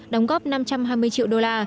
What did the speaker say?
đóng góp năm trăm hai mươi triệu đô la